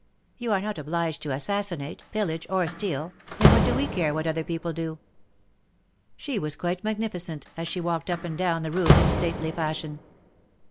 You are not obliged to assassinate, pillage, or steal, and what do we care what other people do ?" She was quite magnificent, as she walked up and down the room in stately fashion.